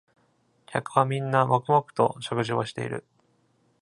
客はみんな黙々と食事をしている